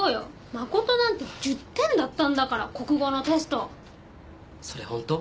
誠なんて１０点だったんだから国語のテストそれほんと？